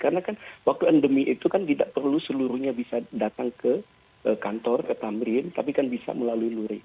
karena kan waktu endemi itu kan tidak perlu seluruhnya bisa datang ke kantor ke tamrin tapi kan bisa melalui durin